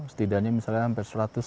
setidaknya misalnya sampai seratus